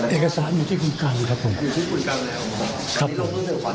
เอกสารอยู่ที่คุ้มกลางนะครับผม